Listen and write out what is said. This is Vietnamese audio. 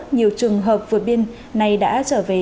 nhiều trường hợp vượt biên này đã trở về